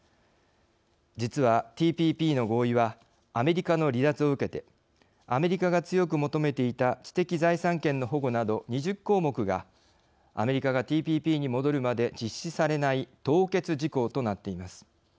実はＴＰＰの合意はアメリカの離脱を受けてアメリカが強く求めていた知的財産権の保護など２０項目がアメリカがＴＰＰに戻るまで実施されない凍結事項となっています。